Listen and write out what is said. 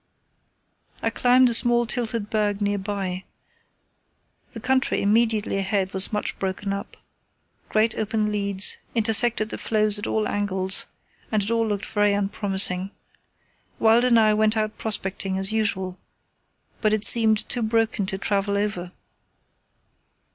I climbed a small tilted berg nearby. The country immediately ahead was much broken up. Great open leads intersected the floes at all angles, and it all looked very unpromising. Wild and I went out prospecting as usual, but it seemed too broken to travel over.